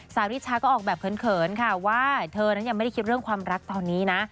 ริชาก็ออกแบบเขินค่ะว่าเธอนั้นยังไม่ได้คิดเรื่องความรักตอนนี้นะ